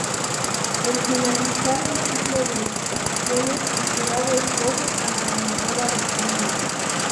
El finalizar el ciclo de exposiciones el jurado escoge a la ganadora del Premio.